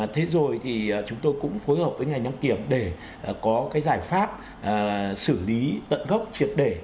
thế rồi thì chúng tôi cũng phối hợp với ngành năng kiểm để có cái giải pháp xử lý tận gốc triệt để